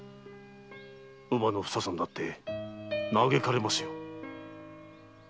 乳母のふささんだって嘆かれますよ。